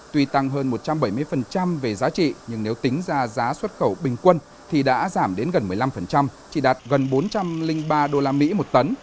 tuy tăng hơn một trăm bảy mươi về giá trị nhưng nếu tính ra giá xuất khẩu bình quân thì đã giảm đến gần một mươi năm chỉ đạt gần bốn trăm linh ba usd một tấn